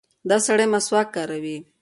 دا سړی مسواک کاروي.